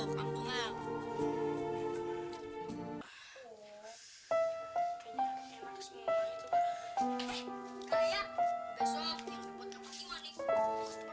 eh kaya besok yang dipotong kecil nih